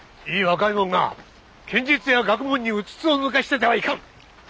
いい若い者が剣術や学問にうつつを抜かしててはいかん。